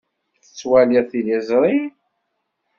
Tettwaliḍ tiliẓri?